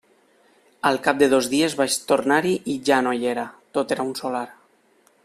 Al cap de dos dies vaig tornar-hi i ja no hi era: tot era un solar.